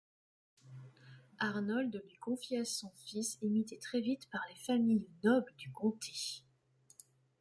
Agnoald lui confia son fils imité très vite par les familles nobles du comté.